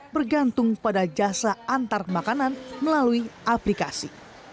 bergantung pada jasa antar makanan melalui aplikasi